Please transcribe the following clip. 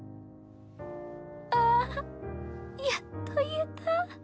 ああ、やっと言えた。